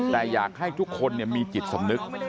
แต่อยากให้ทุกคนมีจิตสำนึก